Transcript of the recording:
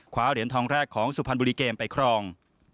เหรียญทองแรกของสุพรรณบุรีเกมไปครอง